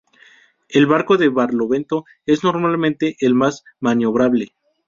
El barco de barlovento es normalmente el más maniobrable.